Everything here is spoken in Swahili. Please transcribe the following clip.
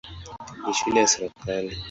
Ni shule ya serikali.